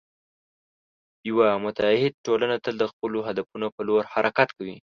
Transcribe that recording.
یوه متعهد ټولنه تل د خپلو هدفونو په لور حرکت کوي.